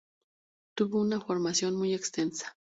Tuvo una formación muy extensa.